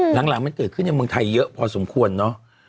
หลังมันเกิดขึ้นในเมืองไทยเยอะพอสมควรเนอะ